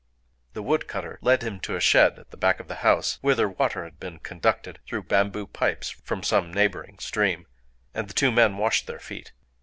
The woodcutter led him to a shed at the back of the house, whither water had been conducted, through bamboo pipes, from some neighboring stream; and the two men washed their feet.